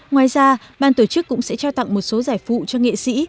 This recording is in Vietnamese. ngoài ra ban tổ chức cũng sẽ trao tặng một số giải phụ cho nghệ sĩ